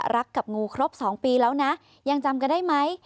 กับงูครบ๒ปีแล้วนะยังจำกันได้ไหม